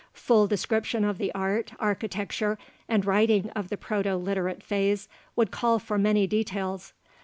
Full description of the art, architecture, and writing of the Proto Literate phase would call for many details.